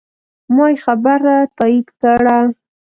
ما یې خبره تایید کړه.